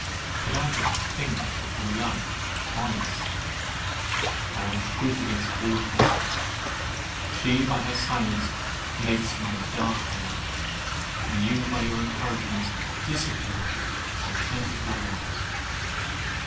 Could I but think the love "honest," I am proof against all hazards. She by her silence makes my dark hour; and you by your encouragements dissipate it for twenty four hours.